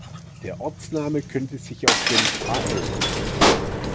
Der Ortsname könnte sich auf den hl.